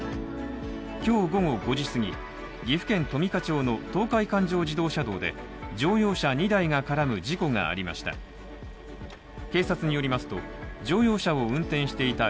今日午後５時すぎ、岐阜県富加町の東海環状自動車道で乗用車２台が絡む事故がありました。